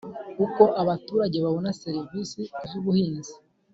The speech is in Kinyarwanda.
Uko abaturage babona serivisi z’ubuhinzi